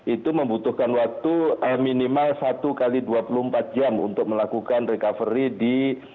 itu membutuhkan waktu minimal satu x dua puluh empat jam untuk melakukan recovery di